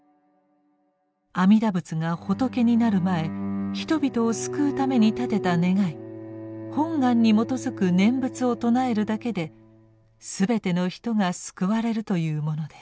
阿弥陀仏が仏になる前人々を救うために立てた願い「本願」に基づく念仏を称えるだけで全ての人が救われるというものです。